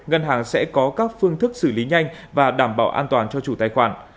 ngân hàng sẽ có các phương thức xử lý nhanh và đảm bảo an toàn cho chủ tài khoản